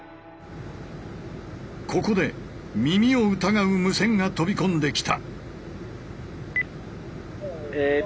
ここで耳を疑う無線が飛び込んできた！